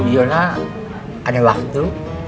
yolah ada waktu